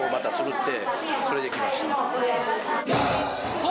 そう。